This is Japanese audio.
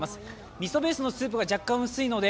みそベースのスープが若干薄いので。